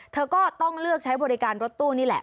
เธอก็ต้องเลือกใช้บริการรถตู้นี่แหละ